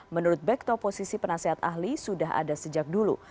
menurut bekto posisi penasehat ahli sudah ada sejak dulu